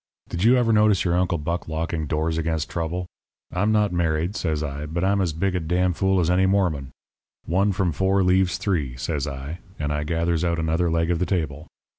'Did you ever notice your Uncle Buck locking doors against trouble? I'm not married,' says I, 'but I'm as big a d n fool as any Mormon. One from four leaves three,' says I, and I gathers out another leg of the table.